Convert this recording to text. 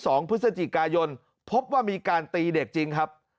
ต่อปากคามเด็กจนถึงวันที่๒พฤศจิกายนพบว่ามีการตีเด็กจริงครับ